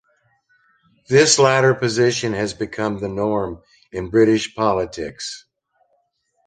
This latter position has become the norm in British politics.